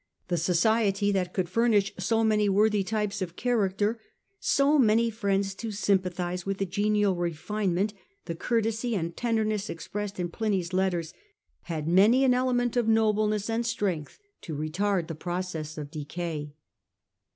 The society that could furnish so many worthy types of character, so many friends to sympathize with the genial refinement, the courtesy and tenderness expressed in Pliny's letters, had many an element of nobleness and strength to retard the orocess of decay.